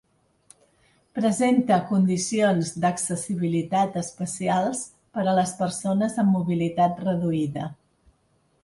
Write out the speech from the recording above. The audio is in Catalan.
Presenta condicions d'accessibilitat especials per a les persones amb mobilitat reduïda.